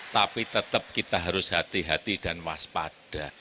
tapi tetap kita harus hati hati dan waspada